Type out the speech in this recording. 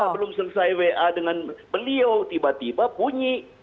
belum selesai wa dengan beliau tiba tiba bunyi